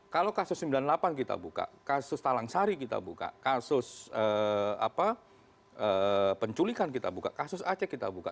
kalau kasus sembilan puluh delapan kita buka kasus talang sari kita buka kasus penculikan kita buka kasus aceh kita buka